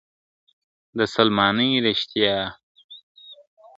د سلماني ریشتیا !.